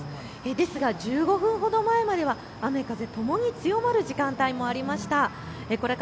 ですが１５分ほど前までは雨風ともに強まる時間帯もありました。